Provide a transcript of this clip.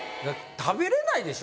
食べれないでしょ？